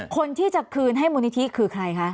คนที่จะคืนให้มูลนิธิคือใครคะ